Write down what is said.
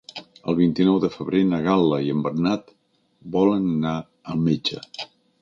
El vint-i-nou de febrer na Gal·la i en Bernat volen anar al metge.